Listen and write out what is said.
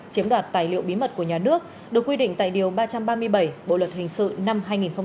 chiếm đoạt tài liệu bí mật của nhà nước được quy định tại điều ba trăm ba mươi bảy bộ luật hình sự năm hai nghìn một mươi năm